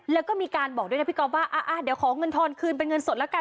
แล้วก็มีการบอกด้วยนะพี่ก๊อฟว่าเดี๋ยวขอเงินทอนคืนเป็นเงินสดแล้วกัน